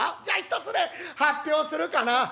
じゃひとつね発表するかな？」。